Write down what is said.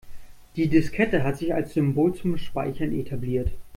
Die Diskette hat sich als Symbol zum Speichern etabliert.